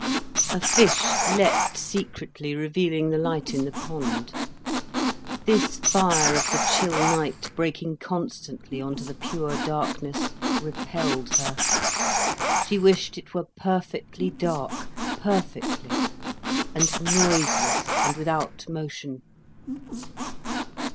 A fish leaped secretly, revealing the light in the pond. This fire of the chill night breaking constantly on to the pure darkness, repelled her. She wished it were perfectly dark, perfectly, and noiseless and without motion.